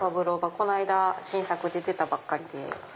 この間新作で出たばっかりで。